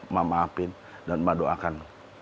maafkan dan mendoakan